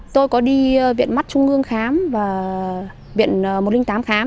tôi có đi viện mắt trung ương khám và viện một trăm linh tám khám